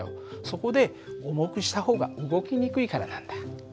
そこで重くした方が動きにくいからなんだ。